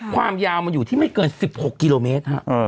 ความยาวมันอยู่ที่ไม่เกิน๑๖กิโลเมตร